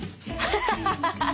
ハハハハッ！